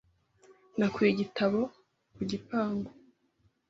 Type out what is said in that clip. Nakuye igitabo ku gipangu .